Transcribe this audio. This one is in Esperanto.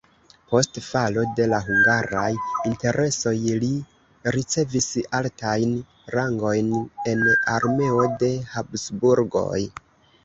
Post falo de la hungaraj interesoj li ricevis altajn rangojn en armeo de Habsburgoj.